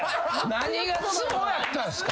何がつぼやったんすか？